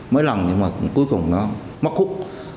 mấy lần nhưng mà cuối cùng nó mất khúc